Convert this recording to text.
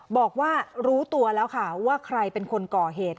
บอกว่ารู้ตัวแล้วค่ะว่าใครเป็นคนก่อเหตุ